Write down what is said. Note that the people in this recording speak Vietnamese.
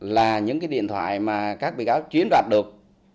là những điện thoại mà các bị cáo chuyến đoạt được